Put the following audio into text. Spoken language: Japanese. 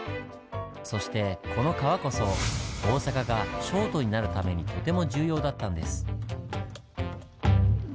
そしてこの川こそ大阪が商都になるためにとても重要だったんです。